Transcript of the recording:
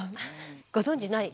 ご存じない。